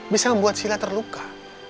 bisa membuat sila terluka